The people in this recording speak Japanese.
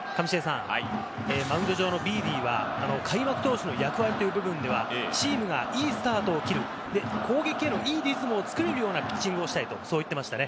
マウンド上のビーディは開幕投手の役割という部分ではチームがいいスタートを切って、攻撃へのいいリズムをつくれるようなピッチングをしたいとそう言っていましたね。